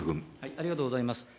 ありがとうございます。